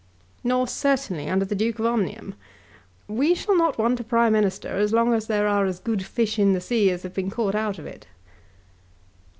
"Nor certainly under the Duke of Omnium. We shall not want a Prime Minister as long as there are as good fish in the sea as have been caught out of it."